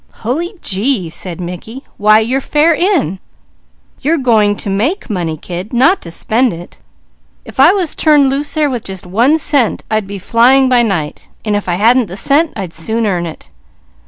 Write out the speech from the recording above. "Hully gee!" said Mickey. "Why your fare in! You're going to make money, kid, not to spend it. If I was turned loose there with just one cent I'd be flying by night, and if I hadn't the cent, I'd soon earn it."